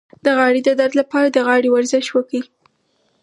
د غاړې د درد لپاره د غاړې ورزش وکړئ